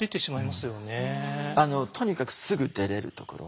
とにかくすぐ出れるところ。